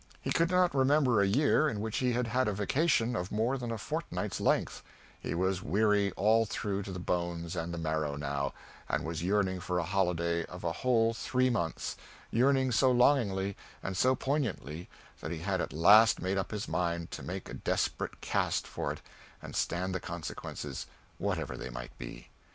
He could not remember a year in which he had had a vacation of more than a fortnight's length; he was weary all through to the bones and the marrow, now, and was yearning for a holiday of a whole three months yearning so longingly and so poignantly that he had at last made up his mind to make a desperate cast for it and stand the consequences, whatever they might be.